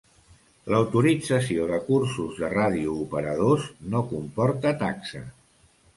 L'autorització de cursos de radiooperadors no comporta taxa.